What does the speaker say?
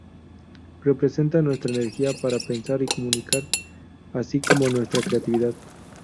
Representa nuestra energía para pensar y comunicar, así como nuestra creatividad.